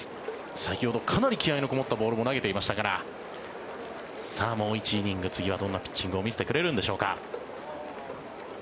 先ほどかなり気合のこもったボールも投げていましたからさあ、もう１イニング次はどんなピッチングを見せてくれるんでしょうか。